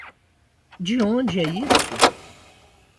De onde é isso?